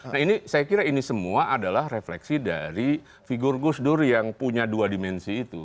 nah ini saya kira ini semua adalah refleksi dari figur gus dur yang punya dua dimensi itu